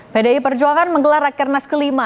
pdi perjuangan menggelar rakernas ke lima